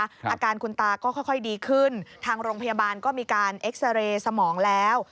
อาการคุณตาก็ค่อยดีขึ้นทางโรงพยาบาลก็มีการเอ็กซาเรย์สมองแล้ว